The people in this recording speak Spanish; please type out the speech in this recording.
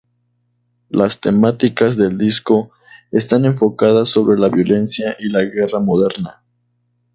Las temáticas del disco están enfocadas sobre la violencia y la guerra moderna.